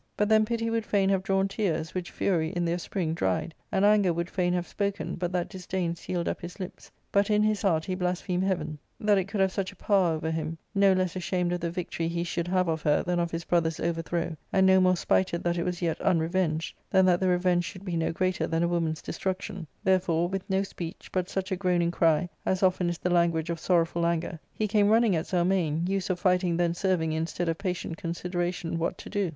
But then pity would fain have drawn tears, which fury, in their spring, dried ; and anger would fain have spoken, but that disdain sealed up his lips ; but in his heart he blasphemed heaven that it could have 374 ,ARCADIA. ^Book III. such a power over him ; no less ashamed of the victory he should have of her than of his brother's overthrow, and no more spited that it was yet*unrevenged than that the revenge should be no greater than a woman's destruction ; therefore, with no speech, but such a groaning cry as often is the language of sorrowful anger, he came running at Zelmane, use of fighting then serving instead of patient consideration what to do.